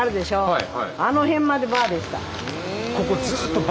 はい。